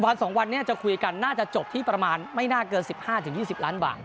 ๒วันนี้จะคุยกันน่าจะจบที่ประมาณไม่น่าเกิน๑๕๒๐ล้านบาท